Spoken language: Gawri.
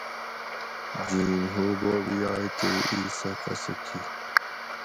جھیم ھو بوب یائ تے ایسہ قصہ کِیر